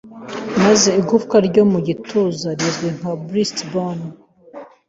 maze igufwa ryo mu gituza rizwi nka breastbone